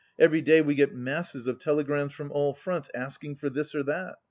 Every day we get masses of telegrams from all fronts, asking for this or that.